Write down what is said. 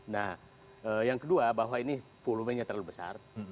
nah yang kedua bahwa ini volumenya terlalu besar